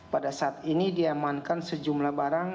pada saat ini diamankan sejumlah barang